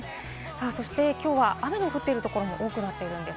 そしてきょうは雨の降っているところも多くなっています。